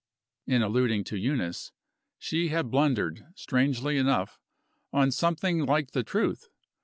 In alluding to Eunice, she had blundered, strangely enough, on something like the truth.